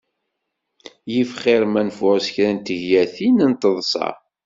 If xir ma nfureṣ kra n tgenyatin n teḍsa.